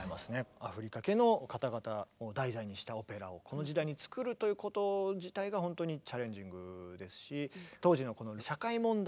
アフリカ系の方々を題材にしたオペラをこの時代に作るということ自体が本当にチャレンジングですし。